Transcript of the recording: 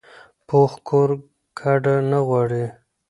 پوخ کور کډه نه غواړي